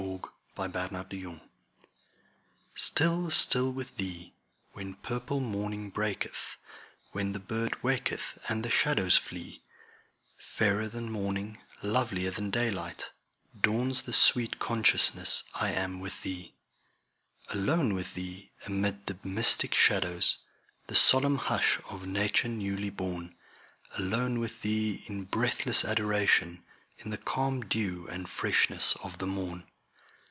Y Z Still, Still with Thee STILL, still with Thee, when purple morning breaketh, When the bird waketh and the shadows flee; Fairer than morning, lovilier than daylight, Dawns the sweet consciousness I am with Thee. Alone with Thee, amid the mystic shadows, The solemn hush of nature newly born; Alone with Thee in breathless adoration, In the calm dew and freshness of the morn.